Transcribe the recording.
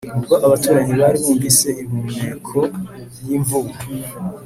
ubwo abaturanyi bari bumvise impumeko y'imvubu